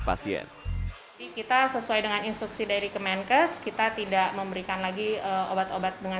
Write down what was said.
pasien jadi kita sesuai dengan instruksi dari kemenkes kita tidak memberikan lagi obat obat dengan